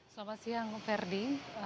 selamat siang ferdi